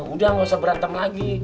udah nggak usah berantem lagi